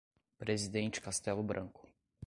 Presidente Castello Branco